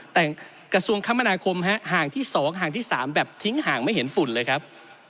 แต่งกระทรวงคมนาคมฮะห่างที่๒ห่างที่๓แบบทิ้งห่างไม่เห็นฝุ่นเลยครับ